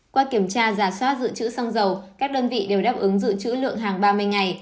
qua kiểm tra giả soát dự trữ xăng dầu các đơn vị đều đáp ứng dự trữ lượng hàng ba mươi ngày